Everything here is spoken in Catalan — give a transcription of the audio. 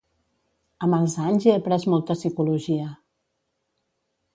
Amb els anys he après molta psicologia.